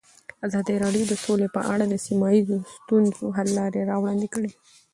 ازادي راډیو د سوله په اړه د سیمه ییزو ستونزو حل لارې راوړاندې کړې.